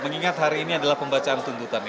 mengingat hari ini adalah pembacaan tuntutan